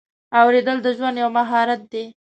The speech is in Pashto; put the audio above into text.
اورېدل د ژوند یو مهارت دی.